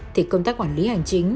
thì công tác quản lý hành chính